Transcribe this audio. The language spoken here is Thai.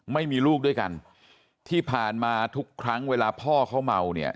ไม่มีลูกด้วยกันที่ผ่านมาทุกครั้งเวลาพ่อเขาเมาเนี่ย